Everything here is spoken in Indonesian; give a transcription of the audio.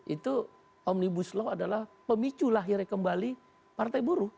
itu om ibu slow adalah pemicu lahirnya kembali partai buruh